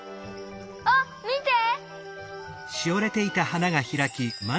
あっみて！